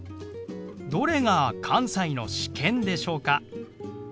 どれが関西の「試験」でしょうか？